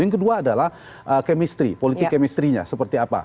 yang kedua adalah kemistri politik kemistrinya seperti apa